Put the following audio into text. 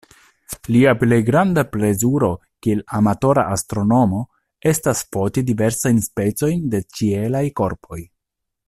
Lia plej granda plezuro kiel amatora astronomo estas foti diversajn specojn de ĉielaj korpoj.